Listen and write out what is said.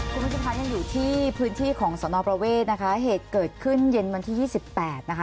คุณผู้ชมคะยังอยู่ที่พื้นที่ของสนประเวทนะคะเหตุเกิดขึ้นเย็นวันที่ยี่สิบแปดนะคะ